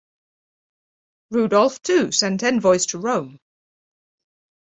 Rudolf too sent envoys to Rome.